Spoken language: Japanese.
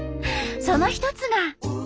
その一つが。